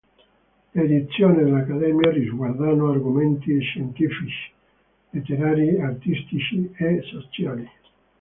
Le edizioni dell'Accademia riguardano argomenti scientifici, letterari, artistici e sociali.